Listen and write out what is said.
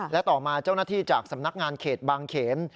และต่อมาเจ้าหน้าที่จากสำนักงานเขตบางเขน